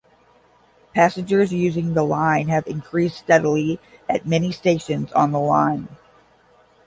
Passengers using the line have increased steadily at many stations on the line.